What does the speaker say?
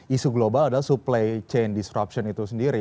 isu global adalah supply chain disruption itu sendiri